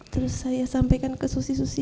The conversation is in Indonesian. terus saya sampaikan ke susi susi